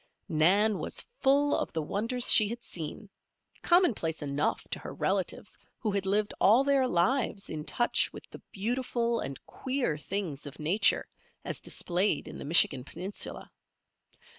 Nan was full of the wonders she had seen, commonplace enough to her relatives who had lived all their lives in touch with the beautiful and queer things of Nature as displayed in the Michigan Peninsula.